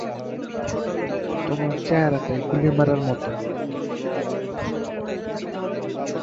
তোমার চেহারাটাই গুলি মারার মতো।